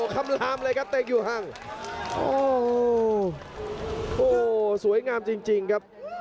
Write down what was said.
คำลามเลยครับเตะอยู่ห่างโอ้โหสวยงามจริงจริงครับ